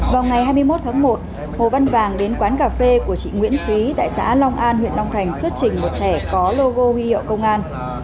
vào ngày hai mươi một tháng một hồ văn vàng đến quán cà phê của chị nguyễn thúy tại xã long an huyện long thành xuất trình một thẻ có logo huy hiệu công an